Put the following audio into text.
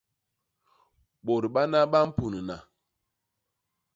Bôt bana ba mpunna.